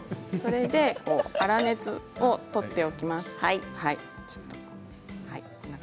粗熱を取っておきます。